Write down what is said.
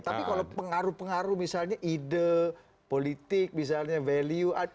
tapi kalau pengaruh pengaruh misalnya ide politik misalnya value